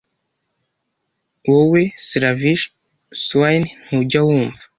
Wowe slavish swain ntujya wumva